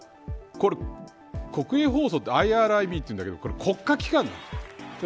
これ国営放送ってＩＲＩＢっていうんですけど国家機関なんです。